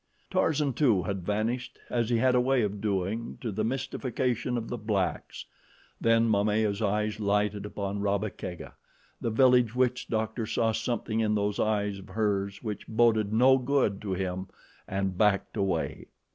Tarzan, too, had vanished, as he had a way of doing, to the mystification of the blacks. Then Momaya's eyes lighted upon Rabba Kega. The village witch doctor saw something in those eyes of hers which boded no good to him, and backed away.